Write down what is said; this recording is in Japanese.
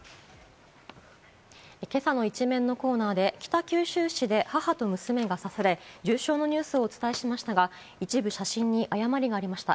今朝の一面のコーナーで北九州市で母と娘が刺され重傷のニュースをお伝えしましたが、一部写真に誤りがありました。